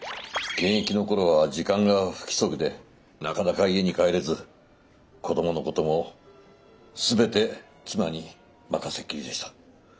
現役の頃は時間が不規則でなかなか家に帰れず子どものことも全て妻に任せっきりでした。